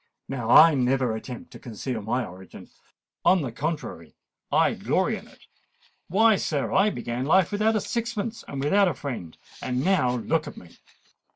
Now I never attempt to conceal my origin: on the contrary, I glory in it. Why, sir, I began life without a sixpence, and without a friend: and now look at me!"